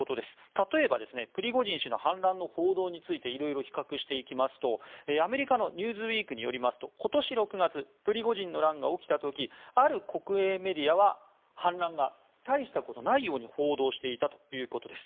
例えば、プリゴジン氏の反乱の報道についていろいろ比較していきますとアメリカの「ニューズウィーク」によりますと今年６月プリゴジンの乱が起きた時ある国営メディアは反乱が大したことないように報道していたということです。